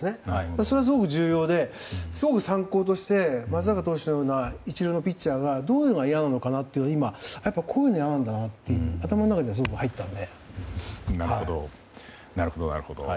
それはすごく重要ですごく参考として松坂投手が一流のピッチャーがどういうのが嫌なのかなって今、こういうのが嫌なんだなって頭にすごい入ったので。